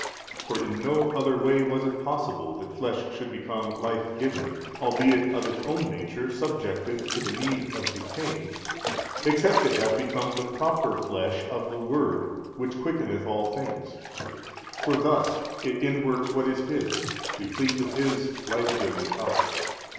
For in no other way was it possible that flesh should become life giving, albeit of its own nature subjected to the need of decaying, except it have become the Proper flesh of the Word Which quickeneth all things; for thus it inworks what is His, replete with His Life giving Power.